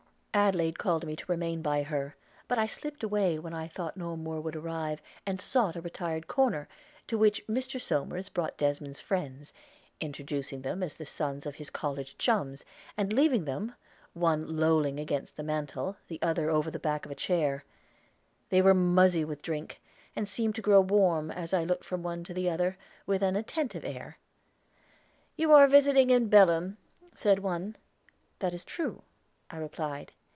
Adelaide called me to remain by her; but I slipped away when I thought no more would arrive, and sought a retired corner, to which Mr. Somers brought Desmond's friends, introducing them as the sons of his college chums, and leaving them, one lolling against the mantel, the other over the back of a chair. They were muzzy with drink, and seemed to grow warm, as I looked from one to the other, with an attentive air. "You are visiting in Belem," said one. "That is true," I replied.